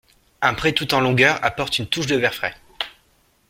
Un pré tout en longueur apporte une touche de vert frais.